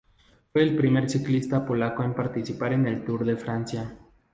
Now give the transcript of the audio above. Fue el primer ciclista polaco en participar en el Tour de Francia.